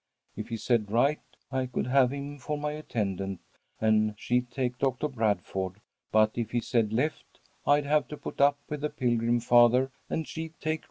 If he said right, I could have him for my attendant and she'd take Doctor Bradford, but if he said left I'd have to put up with the Pilgrim Father, and she'd take Rob.